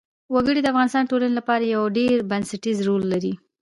وګړي د افغانستان د ټولنې لپاره یو ډېر بنسټيز رول لري.